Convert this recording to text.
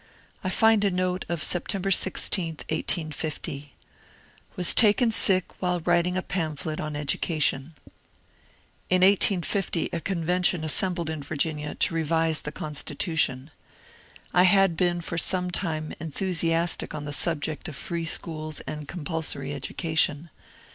I find a note of September 16, 1850 :^^ Was taken sick while writing a pamphlet on Educa tion." In 1850 a convention assembled in Virginia to revise the Constitution. I had been for some time enthusiastic on the subject of free schools and compulsory education.